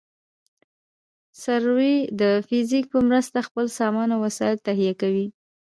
سروې د فزیک په مرسته خپل سامان او وسایل تهیه کوي